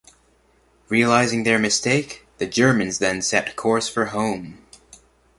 Realising their mistake, the Germans then set course for home.